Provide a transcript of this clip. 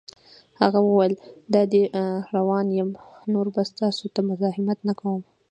هغه وویل: دادی روان یم، نور به ستاسو ته مزاحمت نه کوم.